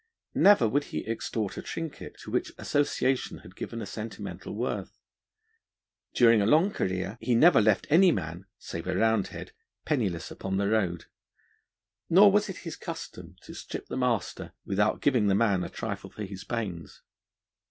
Never would he extort a trinket to which association had given a sentimental worth; during a long career he never left any man, save a Roundhead, penniless upon the road; nor was it his custom to strip the master without giving the man a trifle for his pains.